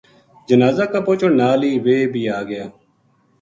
جنازا کا پوہچن نال ہی ویہ بھی آ گیا۔